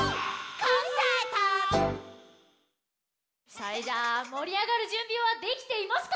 それじゃあもりあがるじゅんびはできていますか？